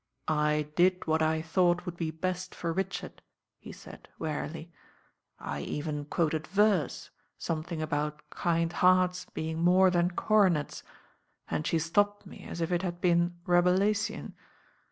"I did what I thought would be best for Richard," he said wearily. "I even quoted verse, something about kind hearts being more than coronets, and she stopped me as if it had been Rabelaisian.